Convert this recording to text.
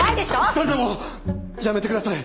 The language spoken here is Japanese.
２人ともやめてください！